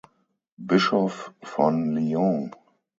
Bischof von Lyon.